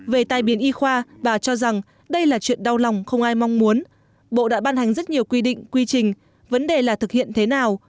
về tai biến y khoa bà cho rằng đây là chuyện đau lòng không ai mong muốn bộ đã ban hành rất nhiều quy định quy trình vấn đề là thực hiện thế nào